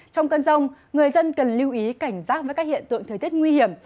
trong cơn rông người dân cần lưu ý cảnh giác với các hiện tượng thời tiết nguy hiểm